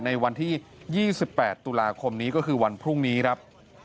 ในวันที่๒๘ตุลาคมนี้ก็คือวันพรุ่งนี้ครับ